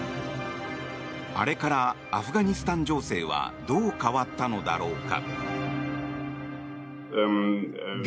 あれからアフガニスタン情勢はどう変わったのだろうか？